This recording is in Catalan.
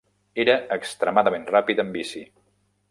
Era extremadament ràpid en bici.